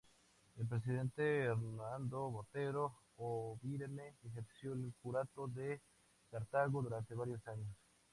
El presbítero Hernando Botero O’byrne, ejerció el curato de Cartago durante varios años.